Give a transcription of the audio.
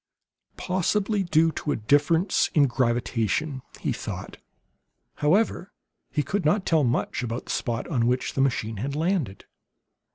"Possibly due to difference in gravitation," he thought. However, he could not tell much about the spot on which the machine had landed.